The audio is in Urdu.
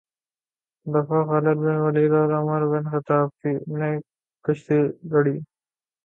دفعہ خالد بن ولید اور عمر بن خطاب نے کشتی لڑی